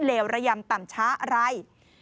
เลวระยำต่ำช้าไร